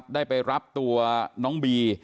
ได้ไปรับตัวน้องบี